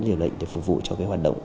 điều lệnh để phục vụ cho cái hoạt động